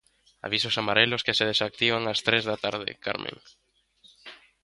Avisos amarelos que se desactivan ás tres da tarde, Carmen.